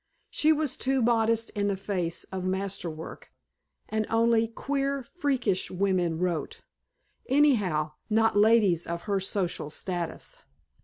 She was too modest in the face of master work, and only queer freakish women wrote, anyhow, not ladies of her social status.